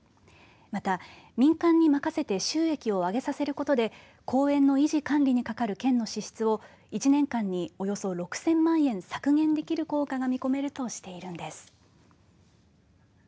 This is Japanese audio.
また、民間に任せて収益を上げさせることで公園の維持管理にかかる県の支出を１年間におよそ６０００万円削減できる効果が見込めるとしているんです。